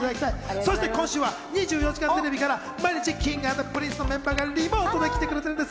そして今週は『２４時間テレビ』から毎日、Ｋｉｎｇ＆Ｐｒｉｎｃｅのメンバーがリモートで来てくれてるんです。